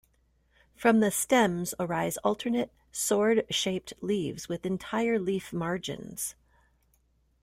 From the stems arise alternate, sword-shaped leaves with entire leaf margins.